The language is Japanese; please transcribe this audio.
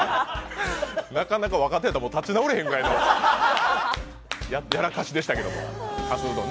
なかなか若手やと立ち直れへんくらいのやらかしでしたけども。